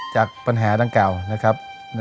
จากปัญหาดังกล่าวนะครับ